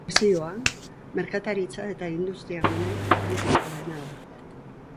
Uruguaiko administrazio, merkataritza eta industriagune garrantzizkoena da.